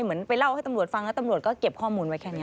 เหมือนไปเล่าให้ตำรวจฟังแล้วตำรวจก็เก็บข้อมูลไว้แค่นี้